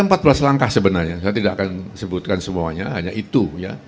empat belas langkah sebenarnya saya tidak akan sebutkan semuanya hanya itu ya